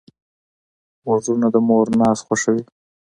غوږونه د مور ناز خوښوي